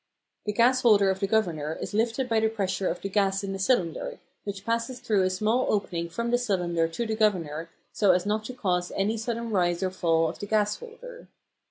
The gas holder of the governor is lifted by the pressure of the gas in the cylinder, which passes through a small opening from the cylinder to the governor so as not to cause any sudden rise or fall of the gas holder.